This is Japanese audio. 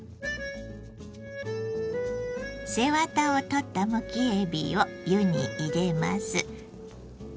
背ワタを取ったむきえびを湯に入れます。